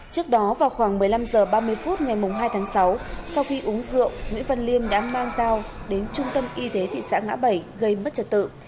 trước đó vào khoảng một mươi năm h ba mươi phút ngày hai tháng sáu sau khi uống rượu nguyễn văn liêm đã mang dao đến trung tâm y tế thị xã ngã bảy gây mất trật tự